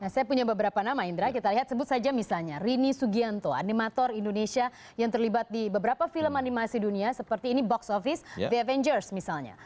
saya punya beberapa nama indra kita lihat sebut saja misalnya rini sugianto animator indonesia yang terlibat di beberapa film animasi dunia seperti ini box office the avengers misalnya